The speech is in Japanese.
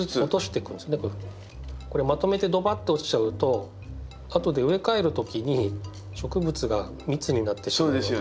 これまとめてどばっと落ちちゃうと後で植え替える時に植物が密になってしまうので。